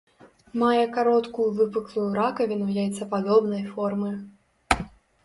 Мае кароткую выпуклую ракавіну яйцападобнай формы.